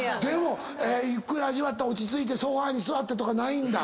ゆっくり味わって落ち着いてソファに座ってとかないんだ。